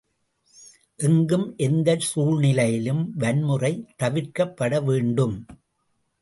எங்கும் எந்தச் சூழ்நிலையிலும் வன்முறை தவிர்க்கப்பட வேண்டும்.